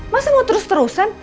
masa mau terus terusan